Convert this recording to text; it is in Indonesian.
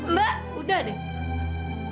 mbak udah deh